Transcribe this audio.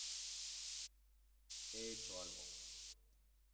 he hecho algo...